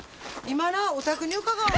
今なお宅に伺お。